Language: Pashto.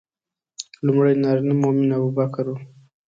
لومړی نارینه مؤمن ابوبکر و.